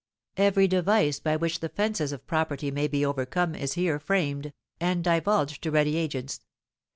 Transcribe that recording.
Every device by which the fences of property may be overcome is here framed, and divulged to ready agents.